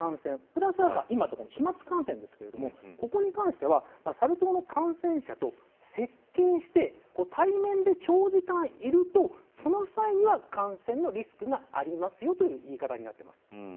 プラスアルファ、今お伝えした飛まつ感染ですがここに関してはサル痘の感染者と接近して、対面で長時間いるとその際には感染のリスクがありますよという言い方になっています。